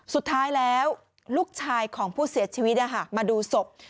สุดท้ายแล้วลูกชายของผู้เสียชีวิตมาดูศพ